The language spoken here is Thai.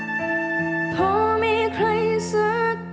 จนจะไม่มีใครช่วยเขา